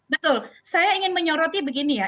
betul saya ingin menyoroti begini ya